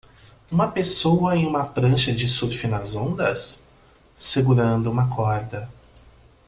Uma pessoa em uma prancha de surf nas ondas? segurando uma corda.